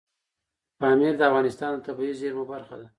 پامیر د افغانستان د طبیعي زیرمو برخه ده.